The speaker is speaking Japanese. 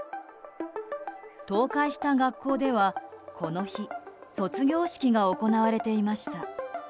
倒壊した学校では、この日卒業式が行われていました。